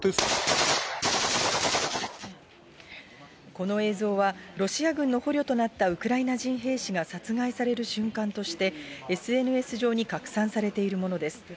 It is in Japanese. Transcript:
この映像は、ロシア軍の捕虜となったウクライナ人兵士が殺害される瞬間として、ＳＮＳ上に拡散されているものです。